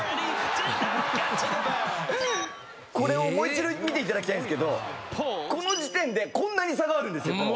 これをもう一度見ていただきたいんですけどこの時点でこんなに差があるんですよ。